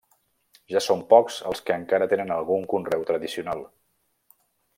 Ja són pocs els que encara tenen algun conreu tradicional.